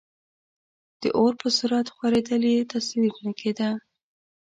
د اور په سرعت خورېدل یې تصور نه کېده.